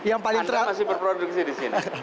anda masih berproduksi di sini